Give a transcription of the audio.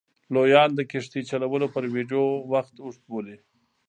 لویان د کښتۍ چلولو پر ویډیو وخت اوږد بولي.